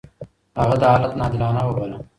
هغه دا حالت ناعادلانه وباله.